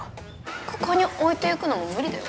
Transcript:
ここに置いていくのも無理だよ。